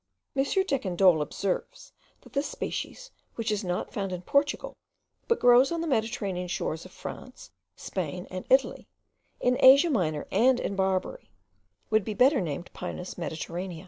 M. Decandolle observes, that this species, which is not found in Portugal, but grows on the Mediterranean shores of France, Spain, and Italy, in Asia Minor, and in Barbary, would be better named Pinus mediterranea.